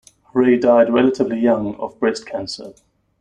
Ray died relatively young of breast cancer.